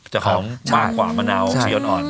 หอมมากกว่ามะนาวสีอ่อน